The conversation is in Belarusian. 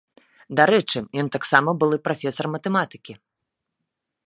Дарэчы, ён таксама былы прафесар матэматыкі.